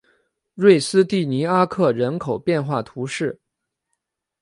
瑞斯蒂尼阿克人口变化图示